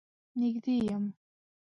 نږدې يم.